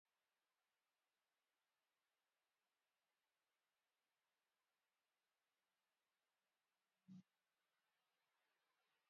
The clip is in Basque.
Metalezko estalki berezia edukiko du eraikin osoarekin bat egin dezan.